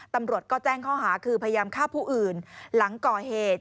ตำรวจก็แจ้งข้อหาคือพยายามฆ่าผู้อื่นหลังก่อเหตุ